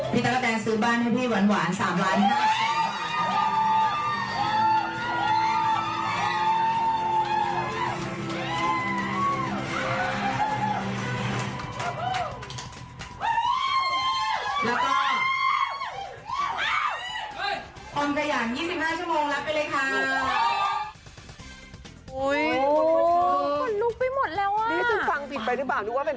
นี่คือฟังผิดไปหรือเปล่านึกว่าเป็นพี่หวานแทน